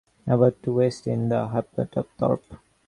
About to the west is the hamlet of Thorpe.